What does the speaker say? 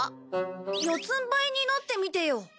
四つんばいになってみてよ。